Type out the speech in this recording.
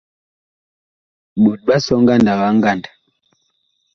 Ɓot ɓa sɔ ngandag a ngand.